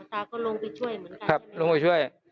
ตาก็ลงไปช่วยเหมือนกันครับลงไปช่วย